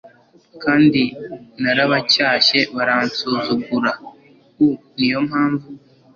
kandi narabacyashye baransuzugura u Ni yo mpamvu